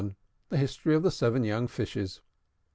THE HISTORY OF THE SEVEN YOUNG FISHES.